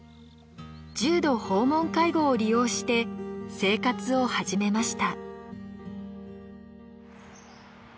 重度訪問介護を利用して生活を始めました。